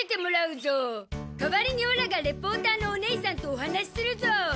代わりにオラがレポーターのおねいさんとお話しするゾ。